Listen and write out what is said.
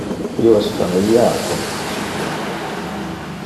Io es familiar con iste subjecto.